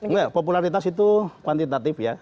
mbak popularitas itu kuantitatif ya